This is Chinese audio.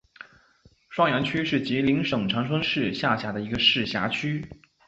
双阳区是吉林省长春市下辖的一个市辖区。